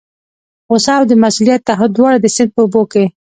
غوسه او د مسؤلیت تعهد دواړه د سیند په اوبو کې.